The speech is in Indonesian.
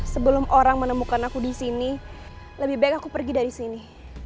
sebelum orang menemukan aku di sini lebih baik aku pergi dari sini